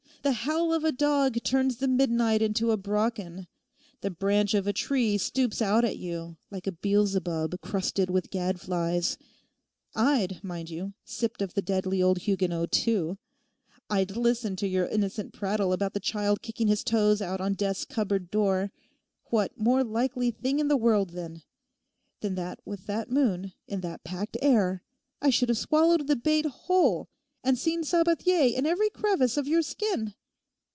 The howl of a dog turns the midnight into a Brocken; the branch of a tree stoops out at you like a Beelzebub crusted with gadflies. I'd, mind you, sipped of the deadly old Huguenot too. I'd listened to your innocent prattle about the child kicking his toes out on death's cupboard door; what more likely thing in the world, then, than that with that moon, in that packed air, I should have swallowed the bait whole, and seen Sabathier in every crevice of your skin?